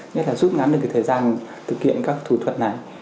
nhất là rút ngắn được thời gian thực hiện các thủ thuật này